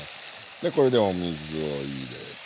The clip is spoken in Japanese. でこれでお水を入れて。